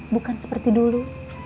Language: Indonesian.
bukan seperti dulu